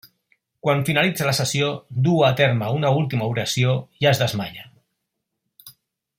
Quan finalitza la sessió, duu a terme una última oració i es desmaia.